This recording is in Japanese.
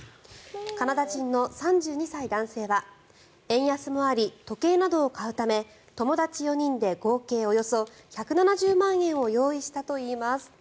カナダ人の３２歳男性は円安もあり、時計などを買うため友達４人で合計およそ１７０万円を用意したといいます。